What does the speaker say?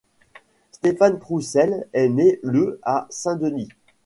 Stéphane Troussel est né le à Saint-Denis.